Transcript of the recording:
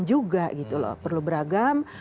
perlu beragam juga perlu beragam